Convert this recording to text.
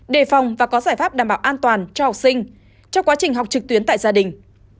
đề phòng và có giải pháp đảm bảo an toàn cho học sinh trong quá trình học trực tuyến tại gia đình